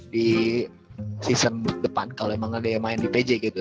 di season depan kalau emang ada yang main di pj gitu